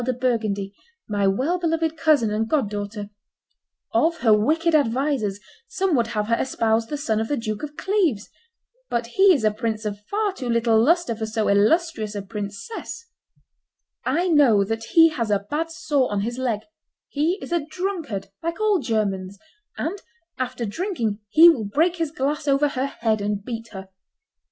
de Burgundy, my well beloved cousin and god daughter. ... Of her wicked advisers some would have her espouse the son of the Duke of Cleves; but he is a prince of far too little lustre for so illustrious a princess; I know that he has a bad sore on his leg; he is a drunkard, like all Germans, and, after drinking, he will break his glass over her head, and beat her.